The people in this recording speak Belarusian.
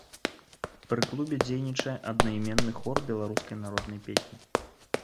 Пры клубе дзейнічае аднайменны хор беларускай народнай песні.